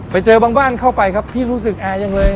ไปเจอบางบ้านเข้าไปครับพี่รู้สึกแอร์จังเลย